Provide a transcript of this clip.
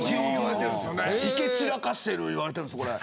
散らかしてる言われてるんですこれ